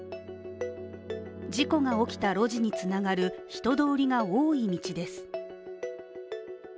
事故が起きた路地につながる人通りが多い道です。